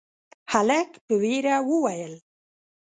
هلک په وېره وويل: